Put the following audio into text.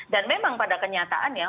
dan memang pada kenyataan ya